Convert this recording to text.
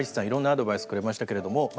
いろんなアドバイスくれましたけれども。